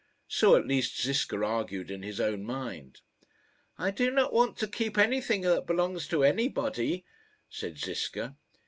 So at least Ziska argued in his own mind. "I do not want to keep anything that belongs to anybody," said Ziska.